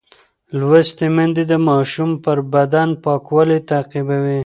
لوستې میندې د ماشوم پر بدن پاکوالی تعقیبوي.